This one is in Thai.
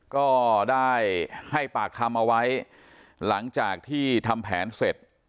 ก็ได้ให้ปากคำเอาไว้หลังจากที่ทำแผนเสร็จ